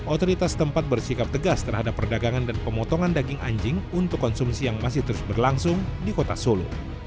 otoritas tempat bersikap tegas terhadap perdagangan dan pemotongan daging anjing untuk konsumsi yang masih terus berlangsung di kota solo